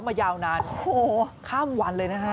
มายาวนานโอ้โหข้ามวันเลยนะฮะ